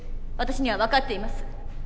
私には分かっています。